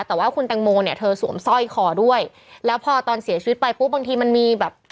แต่ว่าคุณแตงโมเนี่ยเธอสวมสร้อยคอด้วยแล้วพอตอนเสียชีวิตไปปุ๊บบางทีมันมีแบบ